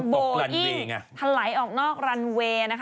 บลอิ่งถลายออกนอกรันเวย์